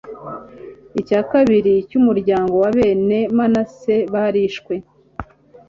icya kabiri cy'umuryango wa bene manase barishwe